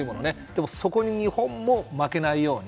そこに日本も負けないように。